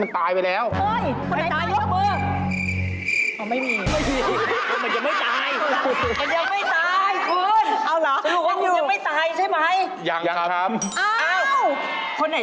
อะไรวะตกลงยังไงนี่